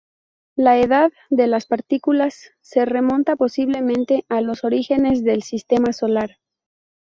La edad de las partículas se remonta posiblemente a los orígenes del Sistema Solar.